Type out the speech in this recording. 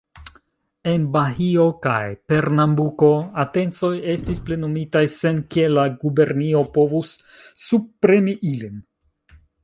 En Bahio kaj Pernambuko, atencoj estis plenumitaj sen ke la gubernio povus subpremi ilin.